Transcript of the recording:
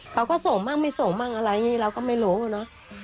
เขาก็ส่งบ้างไม่ส่งบ้างอะไรอย่างนี้เราก็ไม่รู้เนอะ